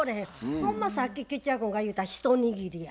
ほんまさっき吉弥君が言うた一握りや。